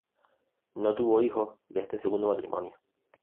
No tuvo hijos de este segundo matrimonio.